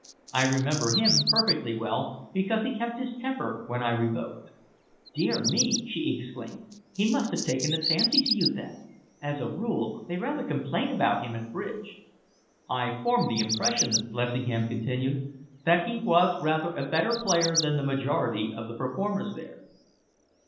"I remember him perfectly well because he kept his temper when I revoked." "Dear me!" she exclaimed. "He must have taken a fancy to you, then. As a rule, they rather complain about him at bridge." "I formed the impression," Lessingham continued, "that he was rather a better player than the majority of the performers there."